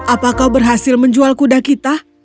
apakah kau berhasil menjual kuda kita